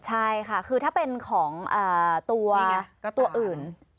ใช่ค่ะคือถ้าเป็นของตัวอื่น